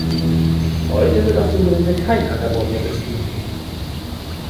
Heute wird auf dem Gelände kein Ackerbau mehr betrieben.